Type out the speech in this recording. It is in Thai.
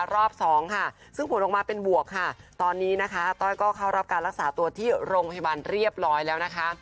รอบสองค่ะซึ่งผลออกมาเป็นบวกค่ะตอนนี้นะคะอาต้อยก็เข้ารับการรักษาตัวที่โรงพยาบาลเรียบร้อยแล้วนะคะ